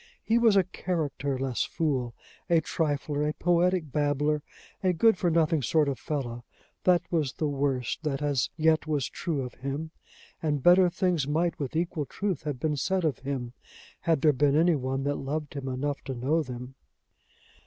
He was a characterless fool, a trifler, a poetic babbler, a good for nothing good sort of fellow; that was the worst that as yet was true of him; and better things might with equal truth have been said of him, had there been any one that loved him enough to know them.